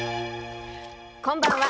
こんばんは。